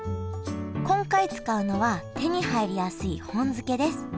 今回使うのは手に入りやすい本漬けです。